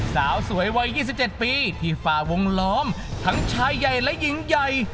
สาวสวยวัย๒๗ปีที่ฝ่าวงล้อมทั้งชายใหญ่และหญิงใหญ่